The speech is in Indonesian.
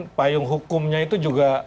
tapi kan payung hukumnya itu juga